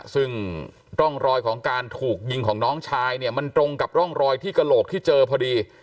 ซึ่งร่องรอยของการถูกยิงของน้องชายเนี่ยมันตรงกับร่องรอยที่กระโหลกที่เจอพอดี